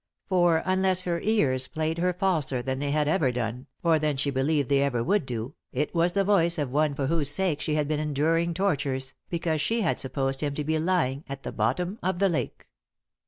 For, unless her ears played her falser than they had ever done, or than she believed they ever would do, it was the voice of one for whose sake she had been enduring tortures, because she had supposed him to be lying at the bottom of the lake.